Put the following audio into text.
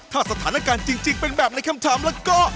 ถ้าสถานการณ์จริงเป็นแบบในคำถามแล้วก็